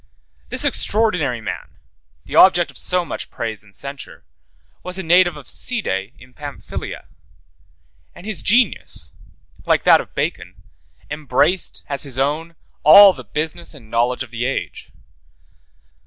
72 This extraordinary man, the object of so much praise and censure, was a native of Side in Pamphylia; and his genius, like that of Bacon, embraced, as his own, all the business and knowledge of the age.